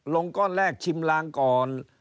ก้อนแรกชิมลางก่อน